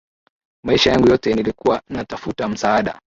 Maisha yangu yote nilikuwa natafuta msaada.